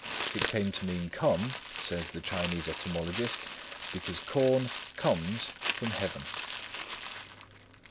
It came to mean "come," says the Chinese etymologist, "because corn _comes" from heaven."